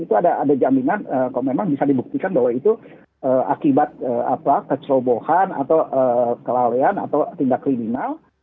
itu ada jaminan kalau memang bisa dibuktikan bahwa itu akibat kecerobohan atau kelalaian atau tindak kriminal